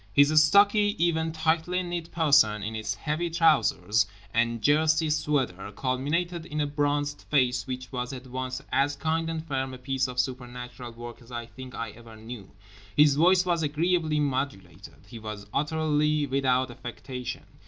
His stocky even tightly knit person, in its heavy trousers and jersey sweater, culminated in a bronzed face which was at once as kind and firm a piece of supernatural work as I think I ever knew. His voice was agreeably modulated. He was utterly without affectation.